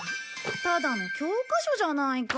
ただの教科書じゃないか。